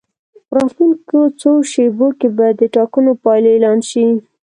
په راتلونکو څو شېبو کې به د ټاکنو پایلې اعلان شي.